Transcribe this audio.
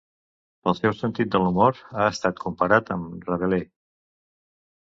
Pel seu sentit de l'humor ha estat comparat amb Rabelais.